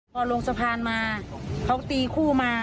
พอลงสะพานมาเขาตีคู่มา